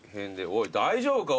おい大丈夫か？